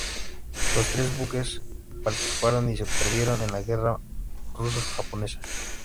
Los tres buques, participaron y se perdieron en la guerra ruso-japonesa.